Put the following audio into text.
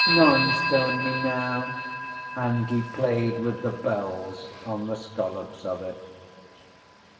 None stone me now, ŌĆØ and he played with the bells on the scollops of it.